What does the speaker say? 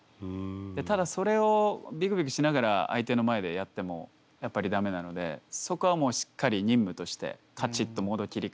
ただそれをビクビクしながら相手の前でやってもやっぱり駄目なのでそこはもうしっかり任務としてカチッとモード切り替えて。